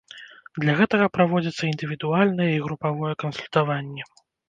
Для гэтага праводзіцца індывідуальнае і групавое кансультаванні.